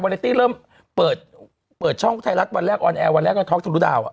วัลลายตี้เริ่มเปิดเปิดช่องไทยรักษณ์วันแรกออนแอร์วันแรกให้ท้องธรุดาวน์อ่ะ